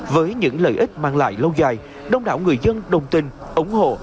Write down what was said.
với những lợi ích mang lại lâu dài đông đảo người dân đồng tình ủng hộ